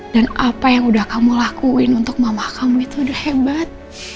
dan apa yang udah kamu lakuin untuk mama kamu itu udah hebat